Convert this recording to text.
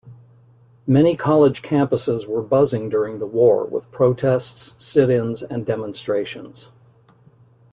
Many college campuses were buzzing during the war with protests, sit-ins, and demonstrations.